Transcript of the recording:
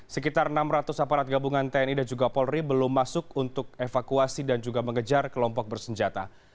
sekitar enam ratus aparat gabungan tni dan juga polri belum masuk untuk evakuasi dan juga mengejar kelompok bersenjata